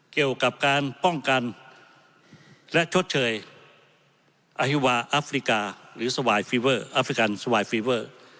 เกี่ยวกับการป้องกันและชดเชยอฮิวาอัฟริกาหรือสวายฟีเวอร์อัฟริกันสวายฟีเวอร์